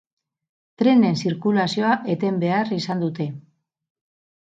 Trenen zirkulazioa eten behar izan dute.